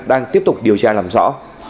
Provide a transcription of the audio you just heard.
đang tiếp tục điều tra làm rõ